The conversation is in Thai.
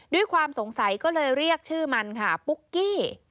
ด้วยความสงสัยก็เลยเรียกชื่อมันค่ะปุ๊กกี้